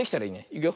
いくよ。